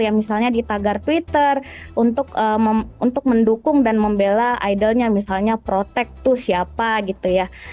ya misalnya di tagar twitter untuk mendukung dan membela idolnya misalnya protect tuh siapa gitu ya